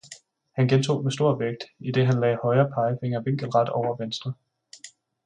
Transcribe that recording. Han gentog med stor vægt, idet han lagde højre pegefinger vinkelret over venstre.